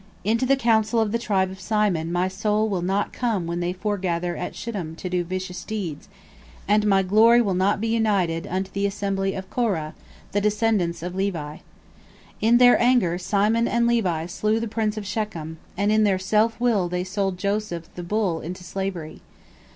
Into the council of the tribe of Simon my soul will not come when they foregather at Shittim to do vicious deeds, and my glory will not be united unto the assembly of Korah, the descendants of Levi. In their anger Simon and Levi slew the prince of Shechem, and in their self will they sold Joseph the bull into slavery.